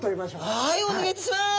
はいお願いいたします！